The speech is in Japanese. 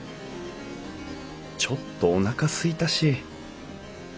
ちょっとおなかすいたし。